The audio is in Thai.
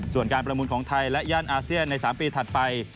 ส่วนการประมูลของไทยและย่านอาเซียนใน๓ปีถัดไป